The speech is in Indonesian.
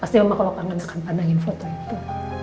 pasti ombak kalau kangen akan pandangin foto itu